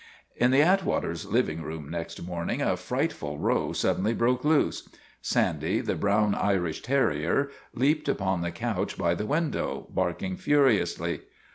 In the Atwaters' living room next morning a frightful row suddenly broke loose. Sandy, the brown Irish terrier, leaped upon the couch by the window, barking furiously.